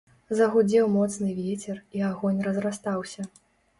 Загудзеў моцны вецер, і агонь разрастаўся.